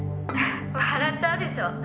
「笑っちゃうでしょ？